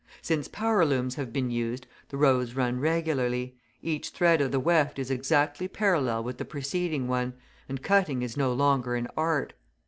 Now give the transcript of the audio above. Since power looms have been used, the rows run regularly; each thread of the weft is exactly parallel with the preceding one, and cutting is no longer an art.